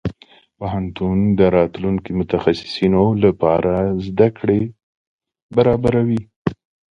پوهنتون د راتلونکي متخصصينو لپاره زده کړې برابروي.